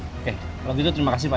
oke kalau gitu terima kasih pak